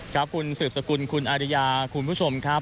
ครับคุณสืบสกุลคุณอาริยาคุณผู้ชมครับ